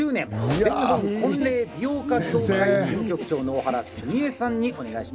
全日本婚礼美容家協会事務局長の小原澄江さんにお願いします。